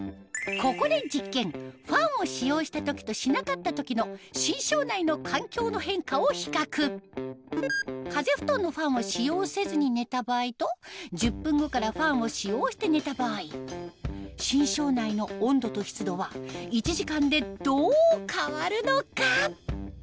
ここで実験ファンを使用した時としなかった時の風ふとんのファンを使用せずに寝た場合と１０分後からファンを使用して寝た場合寝床内の温度と湿度は１時間でどう変わるのか？